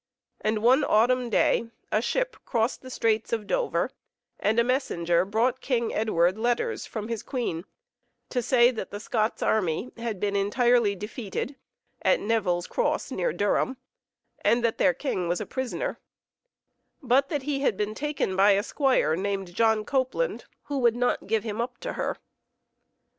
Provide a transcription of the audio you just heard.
And one autumn day, a ship crossed the Straits of Dover, and a messenger brought King Edward letters from his queen to say that the Scots army had been entirely defeated at Nevil's Cross, near Durham, and that their king was a prisoner, but that he had been taken by a squire named John Copeland, who would not give him up to her.